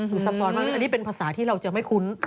ซับซ้อนมากอันนี้เป็นภาษาที่เราจะไม่คุ้น